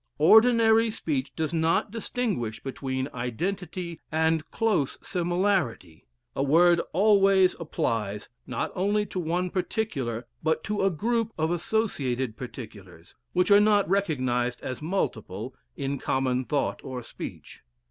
Ordinary speech does not distinguish between identity and close similarity. A word always applies, not only to one particular, but to a group of associated particulars, which are not recognized as multiple in common thought or speech.